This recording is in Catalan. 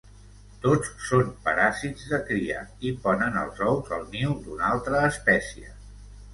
Tots són paràsits de cria i ponen els ous al niu d'una altra espècie.